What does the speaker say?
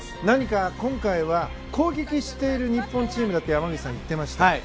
何か今日は攻撃している日本チームだと山口さん、言っていました。